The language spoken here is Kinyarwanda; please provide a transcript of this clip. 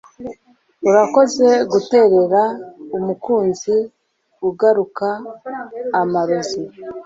Urakoze guterera umukunzi ugaruka amarozi